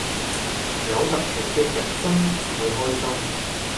有特權嘅人生至會開心